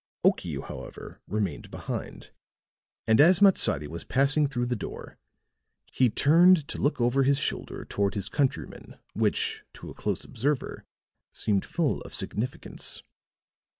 Okiu, however, remained behind; and as Matsadi was passing through the door, he turned to look over his shoulder toward his countryman which, to a close observer, seemed full of significance.